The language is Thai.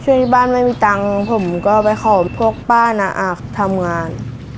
ที่บ้านไม่มีตังค์ผมก็ไปขอพวกป้านาอาบทำงาน